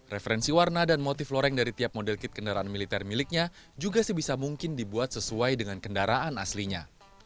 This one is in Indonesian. referensi warna dan motif loreng dari tiap model kit kendaraan militer miliknya juga sebisa mungkin dibuat sesuai dengan kendaraan aslinya